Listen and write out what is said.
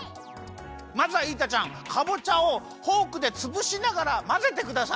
まずはイータちゃんかぼちゃをフォークでつぶしながらまぜてください。